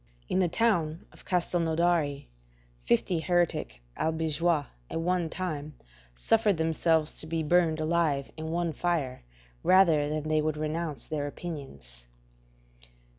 In the town of Castelnaudari, fifty heretic Albigeois at one time suffered themselves to be burned alive in one fire rather than they would renounce their opinions.